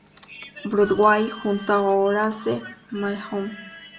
Broadway", junto a Horace McMahon.